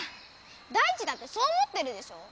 ダイチだってそう思ってるでしょ